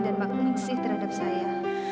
dan pak mingsih terhadap saya